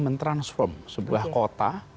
men transform sebuah kota